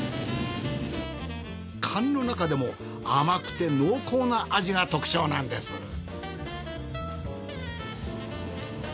カニの中でも甘くて濃厚な味が特徴なんです。